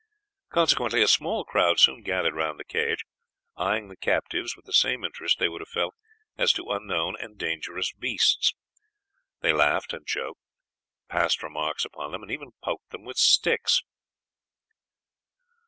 Consequently a small crowd soon gathered round the cage, eyeing the captives with the same interest they would have felt as to unknown and dangerous beasts; they laughed and joked, passed remarks upon them, and even poked them with sticks.